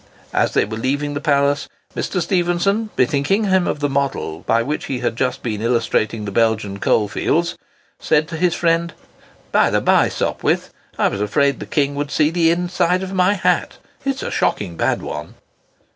As they were leaving the palace Mr. Stephenson, bethinking him of the model by which he had just been illustrating the Belgian coal fields, said to his friend, "By the bye, Sopwith, I was afraid the king would see the inside of my hat; it's a shocking bad one!"